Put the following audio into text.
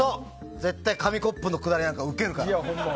絶対紙コップのくだりなんかウケるから。